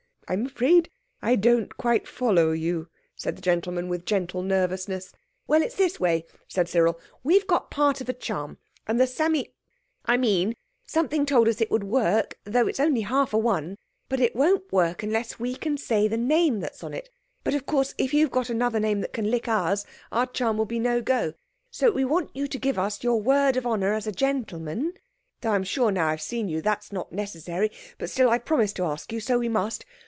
"I'm afraid I don't quite follow you," said the gentleman, with gentle nervousness. "Well, it's this way," said Cyril. "We've got part of a charm. And the Sammy—I mean, something told us it would work, though it's only half a one; but it won't work unless we can say the name that's on it. But, of course, if you've got another name that can lick ours, our charm will be no go; so we want you to give us your word of honour as a gentleman—though I'm sure, now I've seen you, that it's not necessary; but still I've promised to ask you, so we must.